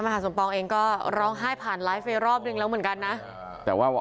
มหาสมปองเองก็ร้องไห้ผ่านไลฟ์ไปรอบนึงแล้วเหมือนกันนะแต่ว่า